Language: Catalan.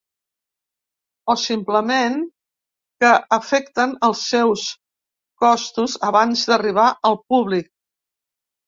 O, simplement, que afecten els seus costos abans d’arribar al públic.